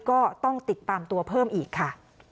ก็ต้องติดตามตัวเพิ่มอีกค่ะ